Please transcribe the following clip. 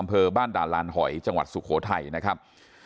อำเภอบ้านด่านลานหอยจังหวัดสุโขทัยนะครับ